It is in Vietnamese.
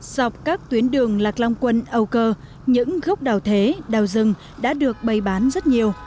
dọc các tuyến đường lạc long quân âu cơ những gốc đào thế đào rừng đã được bày bán rất nhiều